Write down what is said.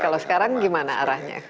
kalau sekarang gimana arahnya